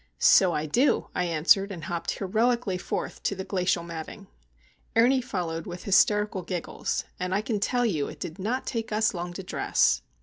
"So I do," I answered, and hopped heroically forth to the glacial matting. Ernie followed with hysterical giggles,—and I can tell you it did not take us long to dress!